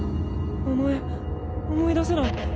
名前思い出せない。